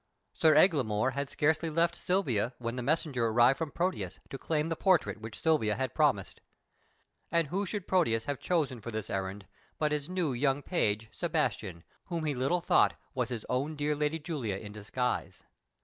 Sir Eglamour had scarcely left Silvia, when the messenger arrived from Proteus to claim the portrait which Silvia had promised. And who should Proteus have chosen for this errand but his new young page, Sebastian, whom he little thought was his own dear lady Julia in disguise.